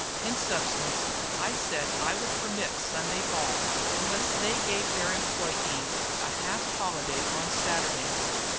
In substance, I said I would permit Sunday ball unless they gave their employees a half holiday on Saturdays.